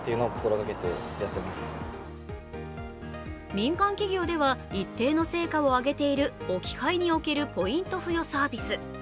民間企業では一定の成果を挙げている置き配におけるポイント付与サービス。